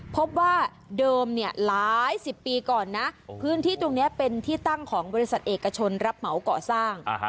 พบว่าเดิมเนี่ยหลายสิบปีก่อนนะพื้นที่ตรงนี้เป็นที่ตั้งของบริษัทเอกชนรับเหมาก่อสร้าง